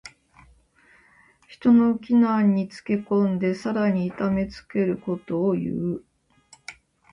人の危難につけ込んでさらに痛めつけることをいう。